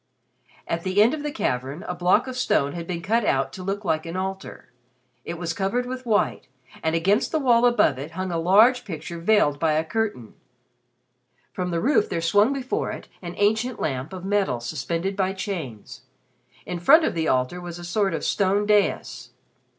At the end of the cavern a block of stone had been cut out to look like an altar. It was covered with white, and against the wall above it hung a large picture veiled by a curtain. From the roof there swung before it an ancient lamp of metal suspended by chains. In front of the altar was a sort of stone dais.